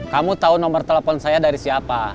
kamu tahu nomor telepon saya dari siapa